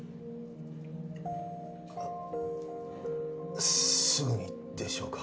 あすぐにでしょうか？